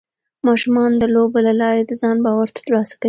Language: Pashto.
ماشومان د لوبو له لارې د ځان باور ترلاسه کوي.